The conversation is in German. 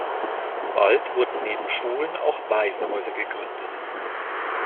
Bald wurden neben Schulen auch Waisenhäuser gegründet.